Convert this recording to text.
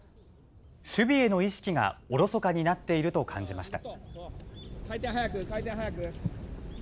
守備への意識がおろそかになっていると感じました。